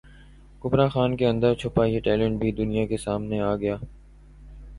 کبری خان کے اندر چھپا یہ ٹیلنٹ بھی دنیا کے سامنے گیا